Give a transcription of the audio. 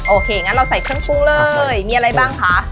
โอเคงั้นเราใส่เครื่องปรุงเลยมีอะไรบ้างคะ